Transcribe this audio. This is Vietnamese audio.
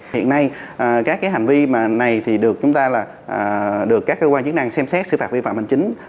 hiện nay các hành vi mà này thì được chúng ta là được các cơ quan chức năng xem xét xử phạt vi phạm hành chính